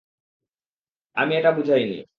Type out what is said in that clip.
আমি এটা বুঝাইনি।